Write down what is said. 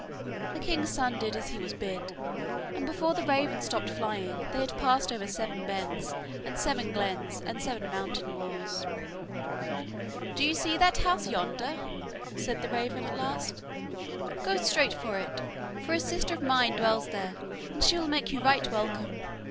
The king's son did as he was bid, and before the raven stopped flying, they had passed over seven bens and seven glens and seven mountain moors. 'Do you see that house yonder?' said the raven at last. 'Go straight for it, for a sister of mine dwells there, and she will make you right welcome.